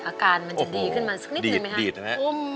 อาการมันจะดีขึ้นมีสักนิดนึงไหมคะ